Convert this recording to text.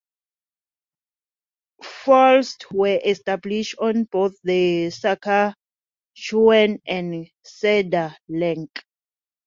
Forts were established on both the Saskatchewan and Cedar Lake.